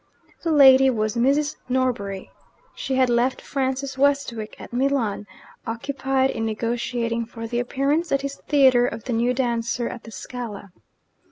The lady was Mrs. Norbury. She had left Francis Westwick at Milan, occupied in negotiating for the appearance at his theatre of the new dancer at the Scala.